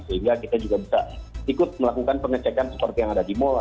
sehingga kita juga bisa ikut melakukan pengecekan seperti yang ada di mall